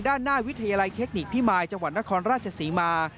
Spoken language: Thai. ด้านหน้าวิทยาลัยเทคนิคพิมายจังหวัดนครราชศรีมา